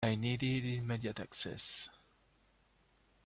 I needed immediate access.